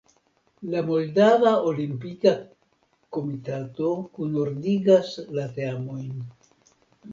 La Moldava Olimpika Komitato kunordigas la teamojn.